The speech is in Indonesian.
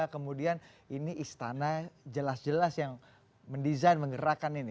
kemudian ini istana jelas jelas yang mendesain menggerakkan ini